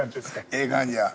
ええ感じや。